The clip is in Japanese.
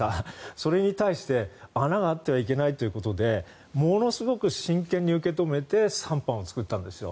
それに対して、穴があってはいけないということでものすごく真剣に受け止めて３版を作ったんです。